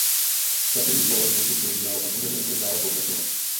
Takový dialog dosud probíhal a budeme v něm dále pokračovat.